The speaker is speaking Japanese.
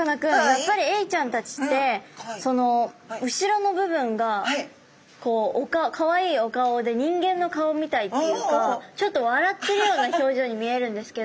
やっぱりエイちゃんたちってその後ろの部分がカワイイお顔で人間の顔みたいっていうかちょっと笑ってるような表情に見えるんですけど。